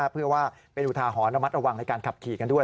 เพื่อว่าเป็นอุทาหรณ์ระมัดระวังในการขับขี่กันด้วย